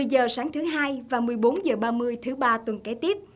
một mươi h sáng thứ hai và một mươi bốn h ngày chủ nhật